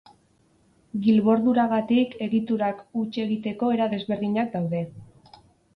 Gilborduragatik egiturak huts egiteko era desberdinak daude.